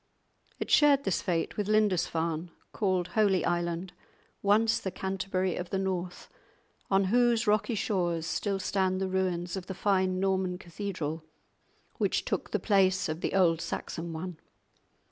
It shared this fate with Lindisfarne, called Holy Island, once the Canterbury of the North, on whose rocky shores still stand the ruins of the fine Norman cathedral which took the place of the old Saxon one.